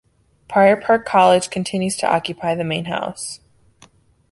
Prior Park College continues to occupy the main house.